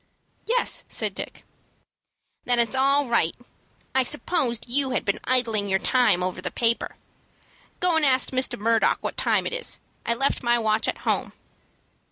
"Yes," said Dick. "Then it's all right. I supposed you had been idling your time over the paper. Go and ask Mr. Murdock what time it is. I left my watch at home."